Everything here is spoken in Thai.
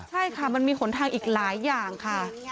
ใช่ค่ะมันมีหนทางอีกหลายอย่างค่ะ